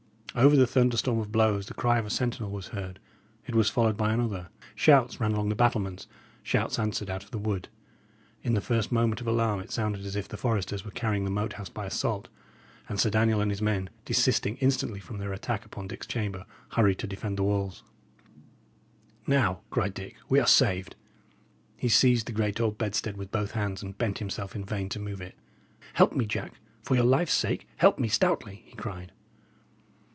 Over the thunderstorm of blows the cry of a sentinel was heard; it was followed by another; shouts ran along the battlements, shouts answered out of the wood. In the first moment of alarm it sounded as if the foresters were carrying the Moat House by assault. And Sir Daniel and his men, desisting instantly from their attack upon Dick's chamber, hurried to defend the walls. "Now," cried Dick, "we are saved." He seized the great old bedstead with both hands, and bent himself in vain to move it. "Help me, Jack. For your life's sake, help me stoutly!" he cried.